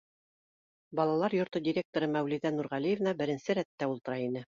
Балалар йорто директоры Мәүлиҙә Нурғәлиевна беренсе рәттә ултыра ине.